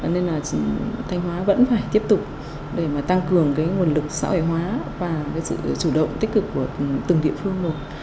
nên là thanh hóa vẫn phải tiếp tục để mà tăng cường cái nguồn lực xã hội hóa và cái sự chủ động tích cực của từng địa phương một